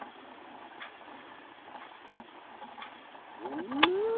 うんめえ！